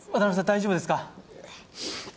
大丈夫ですか？